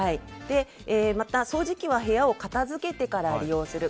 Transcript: また、掃除機は部屋を片付けてから利用する。